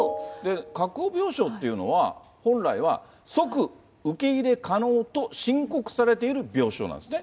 確保病床っていうのは、本来は、即受け入れ可能と申告されている病床なんですね。